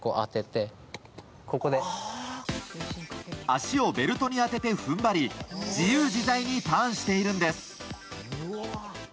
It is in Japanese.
足をベルトに当てて踏ん張り自由自在にターンしているんです。